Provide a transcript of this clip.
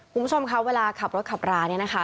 คุณผู้ชมคะเวลาขับรถขับราเนี่ยนะคะ